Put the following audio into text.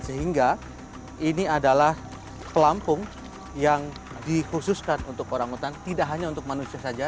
sehingga ini adalah pelampung yang dikhususkan untuk orang utan tidak hanya untuk manusia saja